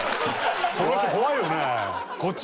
この人怖いよね？